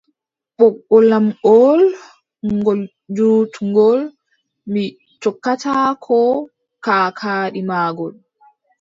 Ɓoggol am ngool, ngol juutngol, Mi jokkataako kaakaadi maagol.